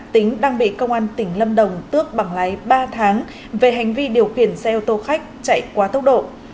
tính đang bị công an tỉnh lâm đồng tước bằng lái ba tháng về hành vi điều khiển xe ô tô khách chạy quá tốc độ